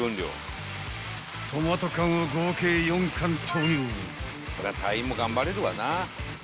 ［トマト缶を合計４缶投入］